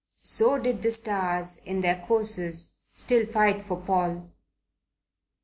So did the stars in their courses still fight for Paul.